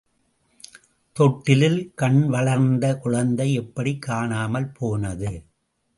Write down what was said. தொட்டிலில் கண்வளர்ந்த குழந்தை எப்படிக் காணாமல் போனது?